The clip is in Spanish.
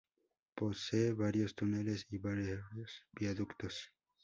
Posee varios túneles y varios viaductos.